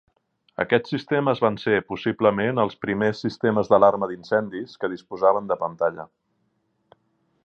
Aquests sistemes van ser possiblement els primers sistemes d'alarma d'incendis que disposaven de pantalla.